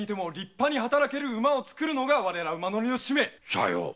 さよう。